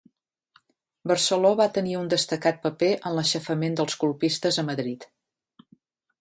Barceló va tenir un destacat paper en l'aixafament dels colpistes a Madrid.